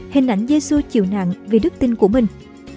hình ảnh giê xu chịu nạn vì đức tin của mình